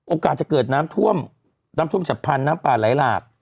โอกาสจะเกิดน้ำท่วมน้ำท่วมฉับพันธุ์น้ำป่าไหลหลาก